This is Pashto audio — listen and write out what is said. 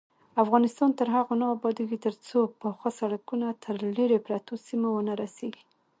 افغانستان تر هغو نه ابادیږي، ترڅو پاخه سړکونه تر لیرې پرتو سیمو ونه رسیږي.